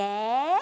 え？